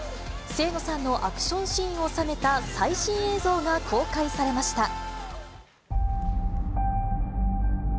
清野さんのアクションシーンを収めた最新映像が公開されました。